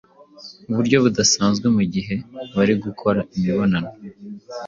uburyo budasanzwe mu gihe bari gukora imibonano